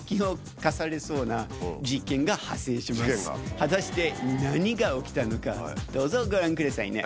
果たして何が起きたのかどうぞご覧くださいね。